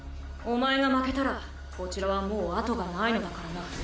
お前が負けたらこちらはもう後がないのだからな。